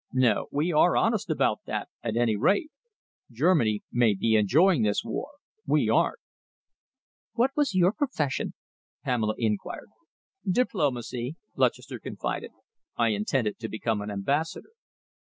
No, we are honest about that, at any rate! Germany may be enjoying this war. We aren't." "What was your profession?" Pamela inquired. "Diplomacy," Lutchester confided. "I intended to become an ambassador."